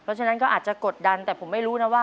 เพราะฉะนั้นก็อาจจะกดดันแต่ผมไม่รู้นะว่า